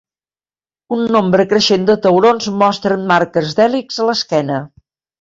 Un nombre creixent de taurons mostren marques d'hèlix a l'esquena.